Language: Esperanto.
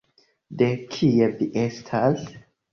De kie vi estas?